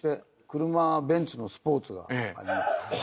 車ベンツのスポーツがありましたね。